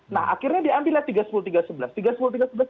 nah akhirnya diambillah tiga ratus sepuluh tiga ratus sebelas